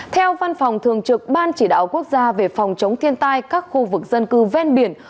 theo văn phòng thường trực ban chỉ đạo quốc gia về phòng chống thiên tai các khu vực dân cư ven biển